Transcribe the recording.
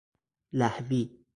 لهوی